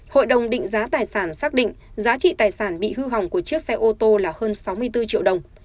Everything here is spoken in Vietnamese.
hội đồng định giá tài sản xác định giá trị tài sản bị hư hỏng của chiếc xe ô tô là hơn sáu mươi bốn triệu đồng